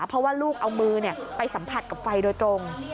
เพราะว่าลูกเอามือไปสัมผัสกับไฟโดยตรง